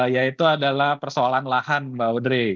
yaitu adalah persoalan lahan mbak udrey